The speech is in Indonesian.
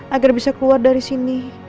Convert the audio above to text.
agar bisa keluar dari sini